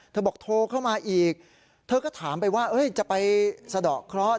บอกโทรเข้ามาอีกเธอก็ถามไปว่าจะไปสะดอกเคราะห